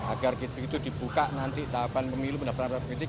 agar begitu dibuka nanti tahapan pemilu pendaftaran politik